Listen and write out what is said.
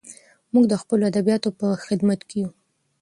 موږ د خپلو ادیبانو په خدمت کې یو.